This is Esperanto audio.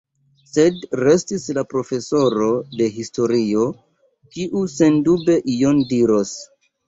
Sed restis la profesoro de historio, kiu sendube ion diros.